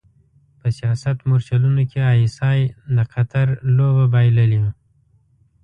په سیاست مورچلونو کې ای ایس ای د قطر لوبه بایللې.